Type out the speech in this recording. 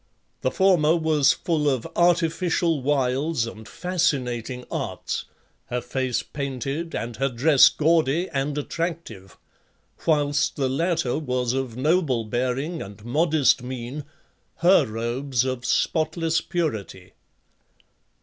The former was full of artificial wiles and fascinating arts, her face painted and her dress gaudy and attractive; whilst the latter was of noble bearing and modest mien, her robes of spotless purity.